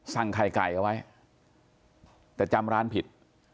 สั่งไข่ไก่เอาไว้แต่จำร้านผิด